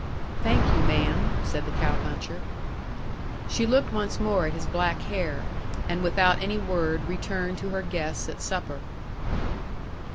"Thank you, ma'am," said the cow puncher. She looked once more at his black hair, and without any word returned to her guests at supper.